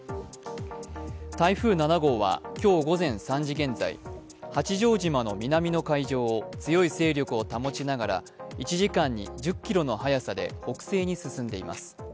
台風７号は今日午前３時現在、八丈島の南の海上を強い勢力を保ちながら１時間に１０キロの速さで北西に進んでいます。